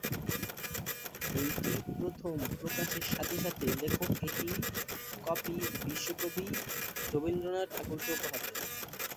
বইটি প্রথম প্রকাশের সাথে সাথে লেখক এটি কপি বিশ্বকবি রবীন্দ্রনাথ ঠাকুরকে উপহার দেন।